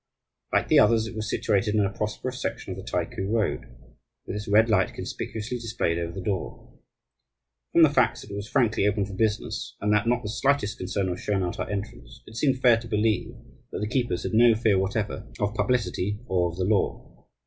Like the others, it was situated in a prosperous section of the Taiku Road, with its red light conspicuously displayed over the door. From the facts that it was frankly open for business and that not the slightest concern was shown at our entrance, it seemed fair to believe that the keepers had no fear whatever of publicity or of the law.